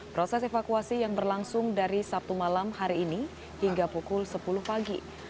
proses evakuasi yang berlangsung dari sabtu malam hari ini hingga pukul sepuluh pagi